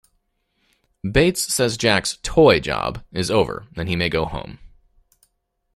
Bates says Jack's "toy" job is over and he may go home.